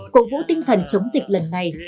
cổ vũ tinh thần chống dịch lần này